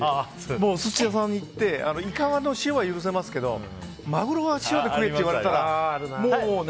お寿司屋さんに行ってイカの塩は許せますけどマグロは塩で食えって言われたらもうね。